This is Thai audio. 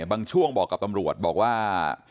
บางช่วงบอกกับตำรวจบอกว่า